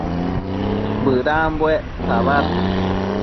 bëdambuec tabad